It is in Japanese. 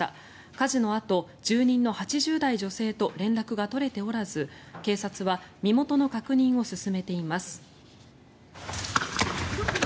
火事のあと、住人の８０代女性と連絡が取れておらず警察は身元の確認を進めています。